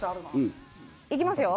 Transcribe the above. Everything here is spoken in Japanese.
いきますよ？